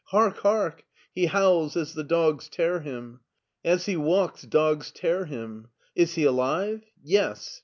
Hark ! Hark ! He howls as the dogs tear him. As he walks, dogs tear him. Is he alive? Yes!